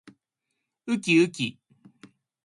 うきうき